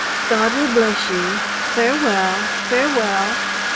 God will bless you! Farewell farewell!"